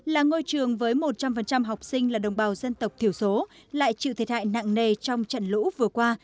là ngôi trường với một trăm linh học sinh là đồng bào dân tộc thiểu số lại chịu thiệt hại nặng nề trong trận lũ vừa qua